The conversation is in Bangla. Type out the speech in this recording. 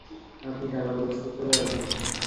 আপনি টাকা প্রস্তুত করে রাখুন।